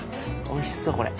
おいしそうこれ。